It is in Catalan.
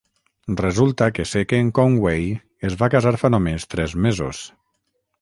Resulta que sé que en Conway es va casar fa només tres mesos.